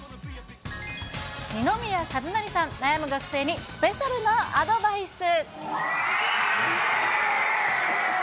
二宮和也さん、悩む学生にスペシャルなアドバイス。